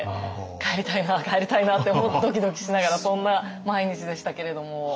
帰りたいな帰りたいなってドキドキしながらそんな毎日でしたけれども。